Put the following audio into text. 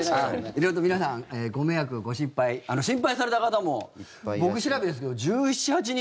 色々と皆さんご迷惑、ご心配心配された方も僕調べですけど１７１８人。